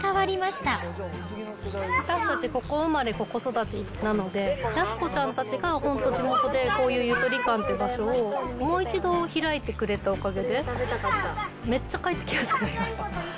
私たち、ここ生まれ、ここ育ちなので、靖子ちゃんたちが本当、地元でこういうゆとり館って場所をもう一度開いてくれたおかげで、めっちゃ帰ってきやすくなりました。